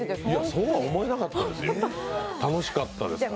そうは思えなかったですよ。